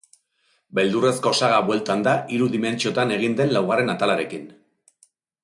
Beldurrezko saga bueltan da hiru dimentsiotan egin den laugarren atalarekin.